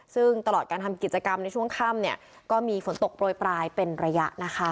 ซึ่งตลอดการทำกิจกรรมในช่วงค่ำเนี่ยก็มีฝนตกโปรยปลายเป็นระยะนะคะ